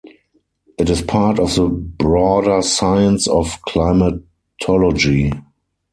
It is part of the broader science of climatology.